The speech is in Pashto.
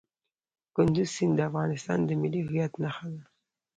کندز سیند د افغانستان د ملي هویت نښه ده.